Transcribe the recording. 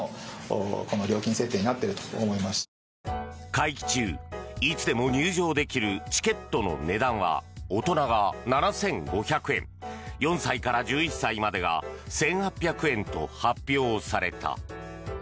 会期中いつでも入場できるチケットの値段は大人が７５００円４歳から１１歳までが１８００円と発表された。